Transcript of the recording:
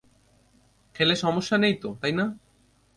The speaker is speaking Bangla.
খেলে সমস্যা নেই তো, তাই না?